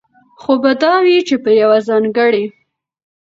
خو به دا وي، چې په يوه ځانګړي